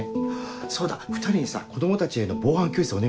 そうだ２人にさ子供たちへの防犯教室お願いしていい？